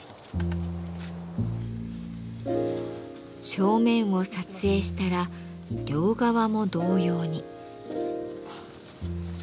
正面を撮影したら両側も同様に。